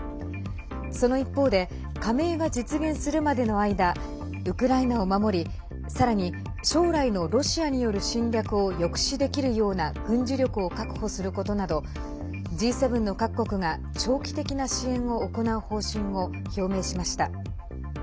その一方で加盟が実現するまでの間ウクライナを守りさらに将来のロシアによる侵略を抑止できるような軍事力を確保することなどＧ７の各国が長期的な支援を行う方針を表明しました。